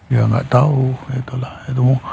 ya gak tau itulah